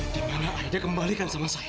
di mana aida kembalikan sama saya